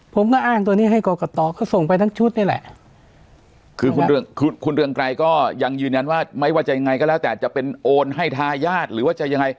ผมก็อ้างตัวนี้ให้กรกตก็ส่งไปทั้งชุดนี่แหละคือคุณเรืองคุณเรืองไกรก็ยังยืนยันว่าไม่ว่าจะยังไงก็แล้วแต่จะเป็นโอนให้ทายาทหรือว่าจะยังไง